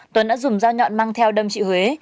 tuấn đã dùng dao nhọn mang theo đâm chị huế